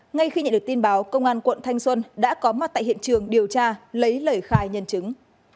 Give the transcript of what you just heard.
ngay khi nhận được tin báo công an quận thanh xuân đã có mặt tại hiện trường điều tra lấy lời khai nhân chứng